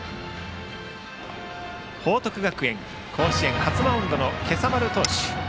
報徳学園、甲子園初マウンドの今朝丸投手。